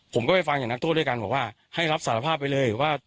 ผมก็ไปฟังจากนักโทษด้วยกันบอกว่าให้รับสารภาพไปเลยว่า